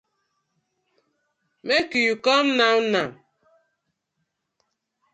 Make you come now now.